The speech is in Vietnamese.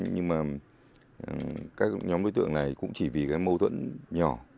nhưng mà các nhóm đối tượng này cũng chỉ vì cái mâu thuẫn nhỏ